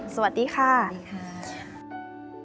สวัสดีค่ะ